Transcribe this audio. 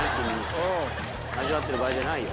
味わってる場合じゃないよ。